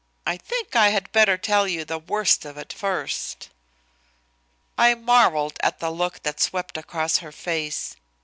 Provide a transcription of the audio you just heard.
I think I had better tell you the worst of it first." I marvelled at the look that swept across her face.